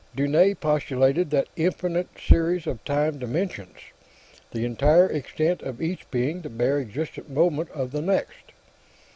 Dunne postulated an infinite series of time dimensions, the entire extent of each being the bare present moment of the next.